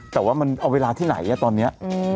แต่ว่ามันเอาเวลาที่ไหนตอนนี้